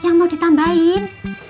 yang mau ditambahin